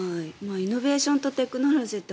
イノベーションとテクノロジーって